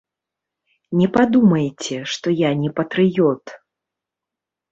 Не падумайце, што я не патрыёт.